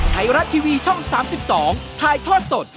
ไทยรัฐทีวีช่อง๓๒ถ่ายทอดสด